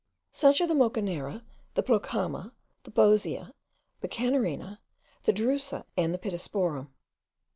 Such are the Mocanera, the Plocama, the Bosea, the Canarina, the Drusa, and the Pittosporum.